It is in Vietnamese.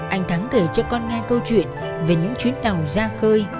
anh thắng kể cho con nghe câu chuyện về những chuyến tàu ra khơi